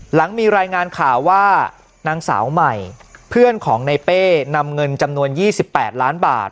หลังมีรายงานข่าวว่านางสาวใหม่เพื่อนของในเป้นำเงินจำนวน๒๘ล้านบาท